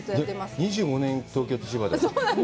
２５年、東京と千葉で？